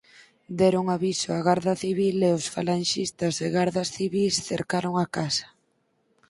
Deron aviso á Garda Civil e os falanxistas e gardas civís cercaron a casa.